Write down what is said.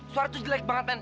suara itu jelek banget